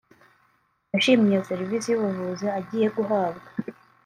yashimye iyo serivisi y’ubuvuzi agiye guhabwa